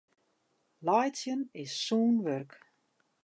Laitsjen is sûn wurk.